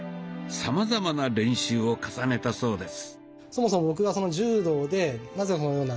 さまざまな練習を重ねたそうです。